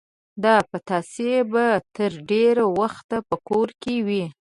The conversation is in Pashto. دا پتاسې به تر ډېر وخت په کور کې وې.